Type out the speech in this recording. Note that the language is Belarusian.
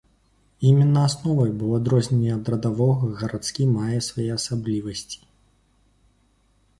Іменна асновай, бо ў адрозненне ад радавога гарадскі мае свае асаблівасці.